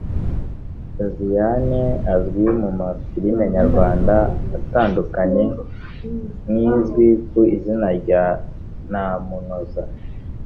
Josiane azwi mu mafilime nyarwanda atandukanye nk’izwi ku izina rya Ntamunoza